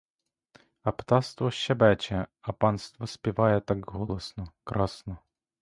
А птаство щебече, а птаство співає так голосно, красно.